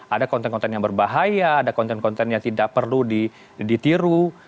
ada konten konten yang berbahaya ada konten konten yang tidak perlu ditiru